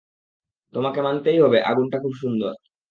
তোমাকে মানতেই হবে-- - আগুনটা খুব সুন্দর।